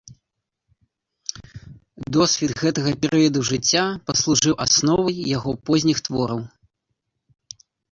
Досвед гэтага перыяду жыцця паслужыў асновай яго позніх твораў.